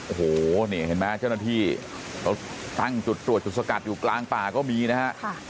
โอ้โหนี่เห็นไหมเจ้าหน้าที่เขาตั้งจุดตรวจจุดสกัดอยู่กลางป่าก็มีนะฮะ